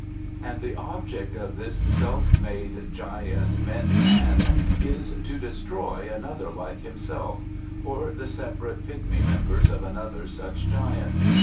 And the object of this self made giant, men man, is to destroy another like himself, or the separate pigmy members of another such giant.